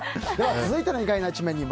続いての意外な一面。